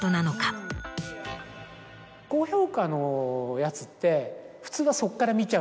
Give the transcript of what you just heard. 高評価のやつって普通は。